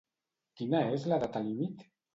Quina és la data límit?